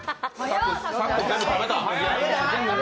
さっくん、全部食べた。